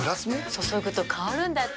注ぐと香るんだって。